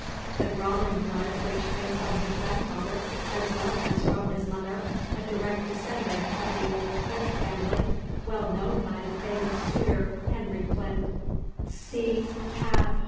The Brahmin blood which came from his grandfather as well as from his mother, a direct descendant of the old Flynt family, well known by the famous tutor, Henry Flynt, (see Cat.